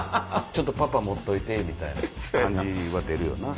ちょっとパパ持っといてみたいな感じは出るよな。